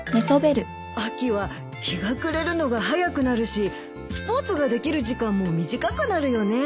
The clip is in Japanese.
秋は日が暮れるのが早くなるしスポーツができる時間も短くなるよね。